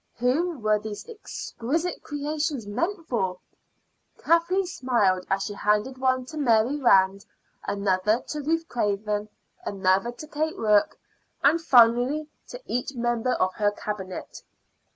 Whom were these exquisite creations meant for? Kathleen smiled as she handed one to Mary Rand, another to Ruth Craven, another to Kate Rourke, and finally to each member of her Cabinet.